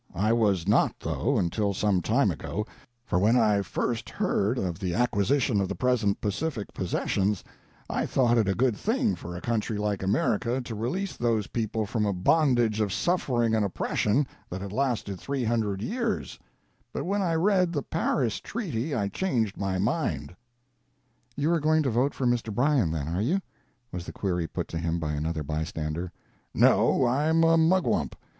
I was not though, until some time ago, for when I first heard of the acquisition of the present Pacific possessions I though it a good thing for a country like America to release those people from a bondage of suffering and oppression that had lasted 300 years, but when I read the Paris treaty I changed my mind." "You are going to vote for Mr. Bryan, then, are you?" was the query put to him by another bystander. "No, I am a Mugwump.